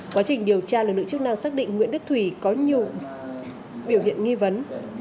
quá trình điều tra lực lượng chức năng xác định nguyễn đức thủy có nhiều biểu hiện nghi vấn